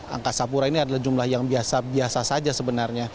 angkasa pura ini adalah jumlah yang biasa biasa saja sebenarnya